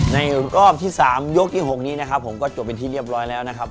ในรอบที่๓ยกที่๖นี้นะครับผมก็จบเป็นที่เรียบร้อยแล้วนะครับ